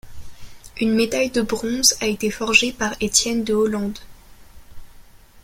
Une médaille de bronze a été forgée par Étienne de Hollande.